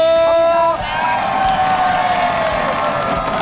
ขอบคุณครับ